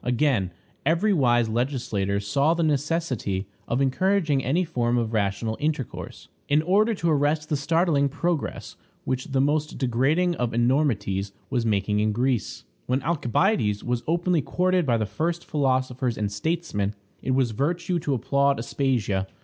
Again, every wise legislator saw the necessity of encouraging any form of rational intercourse, in order to arrest the startling progress which the most degrading of enormities was making in Greece. When Alcibiades was openly courted by the first philosophers and statesmen, it was virtue to applaud Aspasia.